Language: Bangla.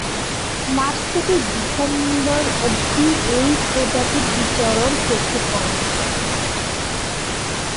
মার্চ থেকে ডিসেম্বর অবধি এই প্রজাতির বিচরণ চোখে পড়ে।